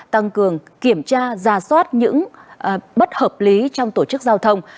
tăng cường kiểm tra ra soát những bất hợp lý trong tổ chức giao thông